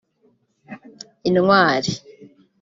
Intwari